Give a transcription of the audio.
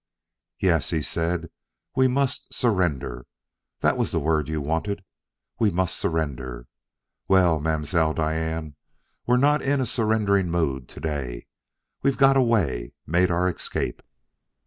"Yes," he said; "we must 'surrender' that was the word you wanted. We must surrender!... Well, Mam'selle Diane, we're not in a surrendering mood to day. We've got away; made our escape!"